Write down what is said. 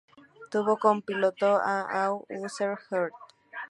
Tuvo como piloto a Al Unser Jr.